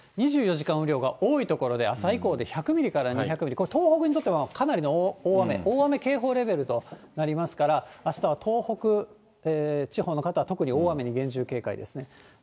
２４時間雨量が、多いところで１００ミリから２００ミリ、これ、東北にとってもかなりの大雨、大雨警報レベルとなりますから、あしたは東北地方の方は特に大雨に厳重警戒ですね。